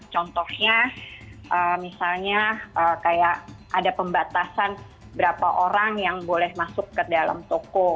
contohnya misalnya kayak ada pembatasan berapa orang yang boleh masuk ke dalam toko